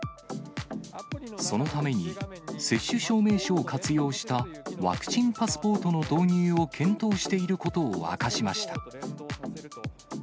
そのために、接種証明書を活用したワクチンパスポートの導入を検討していることを明かしました。